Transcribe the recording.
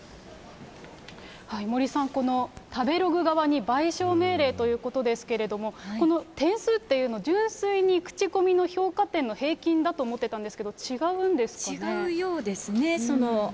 森さん、この食べログ側に賠償命令ということですけれども、この点数というのを、純粋に口コミの評価点の平均だと思ってたん違うようですね。